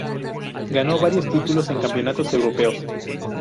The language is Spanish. Ganó varios títulos en campeonatos europeos.